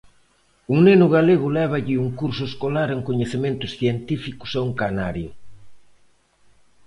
Un neno galego lévalle un curso escolar en coñecementos científicos a un canario.